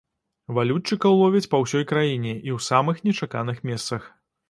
Валютчыкаў ловяць па ўсёй краіне і ў самых нечаканых месцах.